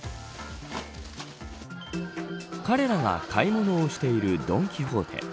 彼らが買い物をしているドン・キホーテ。